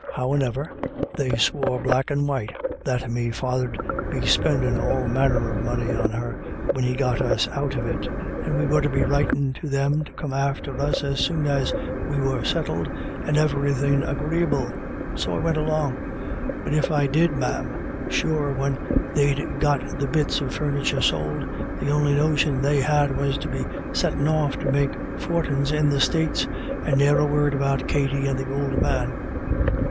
Howane'er, they swore black and white that me father'd be spendin' all manner of money on her when he got us out of it, and we were to be writin' for them to come after us as soon as we were settled, and every thin' agree able — so I went along. But if I did, ma'am, sure when they'd got the bits of furniture sold, the on'y notion they had was to be settin' off to make for tins in the States, and ne'er a word about Katty and the ould man.